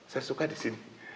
saya suka di sini